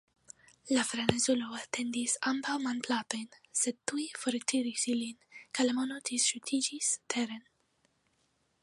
La frenezulo etendis ambaŭ manplatojn, sed tuj fortiris ilin, kaj la mono disŝutiĝis teren.